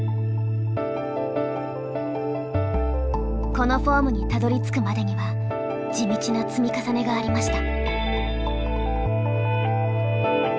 このフォームにたどりつくまでには地道な積み重ねがありました。